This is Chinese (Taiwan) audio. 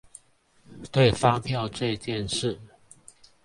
對發票這件事